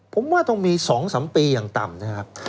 ผมว่าต้องมี๒๓ปีอย่างต่ำนะครับ